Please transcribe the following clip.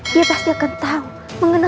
kita kejar mereka